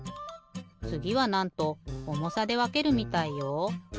つぎはなんと重さでわけるみたいよ。